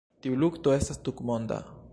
Tiu lukto estas tutmonda.